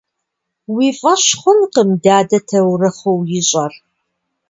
Уи фӀэщ хъункъым дадэ таурыхъыу ищӀэр.